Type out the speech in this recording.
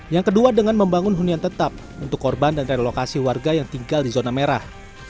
yang kedua dengan membangun hunian tetap untuk korban dan relokasi warga yang tinggal di zona merah